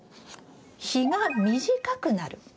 日が短くなる。